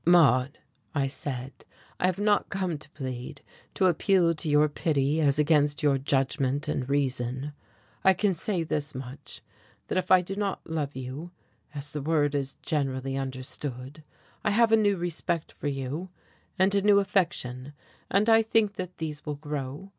"Maude," I said, "I have not come to plead, to appeal to your pity as against your judgment and reason. I can say this much, that if I do not love you, as the word is generally understood, I have a new respect for you, and a new affection, and I think that these will grow.